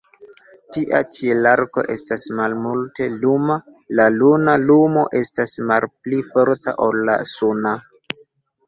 Tia ĉielarko estas malmulte luma, la luna lumo estas malpli forta ol la suna.